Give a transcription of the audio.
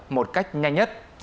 một cách nhanh nhất